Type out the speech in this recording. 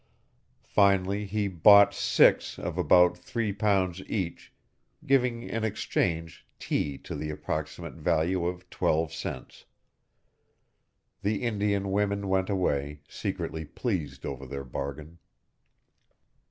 Finally he bought six of about three pounds each, giving in exchange tea to the approximate value of twelve cents. The Indian women went away, secretly pleased over their bargain.